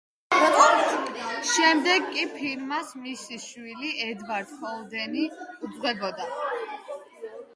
შემდეგ კი ფირმას მისი შვილი, ედვარდ ჰოლდენი უძღვებოდა.